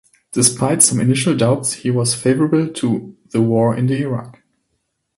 Despite some initial doubts, he was favorable to the war in Iraq.